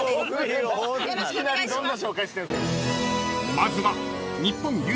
［まずは］